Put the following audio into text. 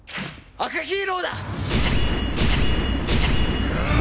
アカヒーローだ！